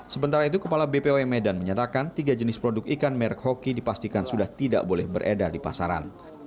sementara itu kepala bpom medan menyatakan tiga jenis produk ikan merek hoki dipastikan sudah tidak boleh beredar di pasaran